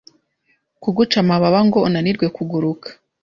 kuguca amababa ngo unanirwe kuguruka